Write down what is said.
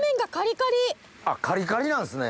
カリカリなんですね。